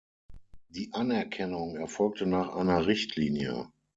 Die Anerkennung erfolgte nach einer Richtlinie.